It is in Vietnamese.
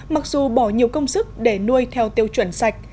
mặc dù bỏ nhiều công sức để nuôi theo tiêu chuẩn sạch